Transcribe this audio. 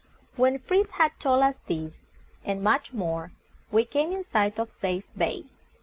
When Fritz had told us this, and much more, we came in sight of Safe Bay.